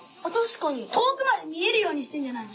遠くまで見えるようにしてんじゃないの。